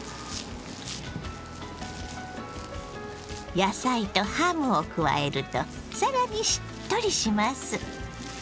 野菜とハムを加えると更にしっとりします。